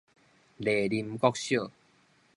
麗林國小